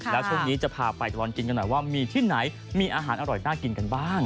แล้วช่วงนี้จะพาไปตลอดกินกันหน่อยว่ามีที่ไหนมีอาหารอร่อยน่ากินกันบ้าง